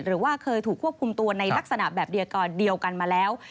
หรือว่าเคยถูกควบคุมตัวในลักษณะแบบเดียวกันมาแล้ว